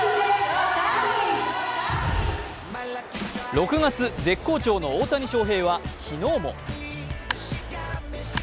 ６月、絶好調の大谷翔平は昨日も。